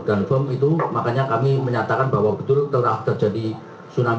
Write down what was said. dan firm itu makanya kami menyatakan bahwa betul telah terjadi tsunami